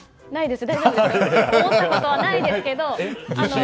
思ったことはないですけど。